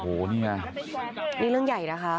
โหนี่นี้เรื่องใหญ่นะคะ